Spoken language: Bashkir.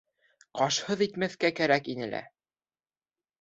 — Ҡашһыҙ итмәҫкә кәрәк ине лә.